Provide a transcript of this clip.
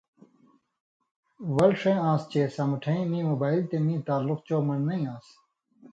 ول ݜے آن٘س چےۡ سامٹَھیں میں مُوبائل تے مِیں تعلُق چو من٘ڑنئ آن٘س۔